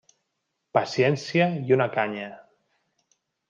Paciència i una canya.